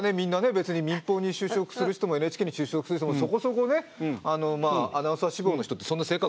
別に民放に就職する人もＮＨＫに就職する人もそこそこねアナウンサー志望の人ってそんな性格